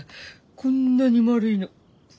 こんなに丸いの。